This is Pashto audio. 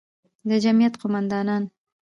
د جمعیت قوماندان،